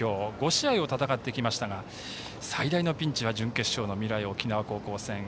５試合を戦ってきましたが最大のピンチは準決勝の未来沖縄戦。